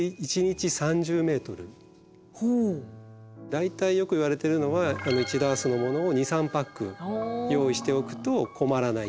大体よくいわれてるのは１ダースのものを２３パック用意しておくと困らないというか。